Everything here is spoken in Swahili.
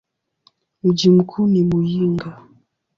Mji mkuu ni Muyinga.